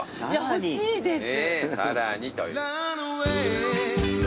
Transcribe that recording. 欲しいです。